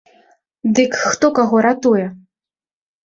Дык хто каго ратуе?